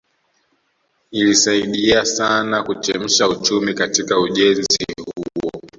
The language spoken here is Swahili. Ilisaidia sana kuchemsha uchumi katika ujenzi huo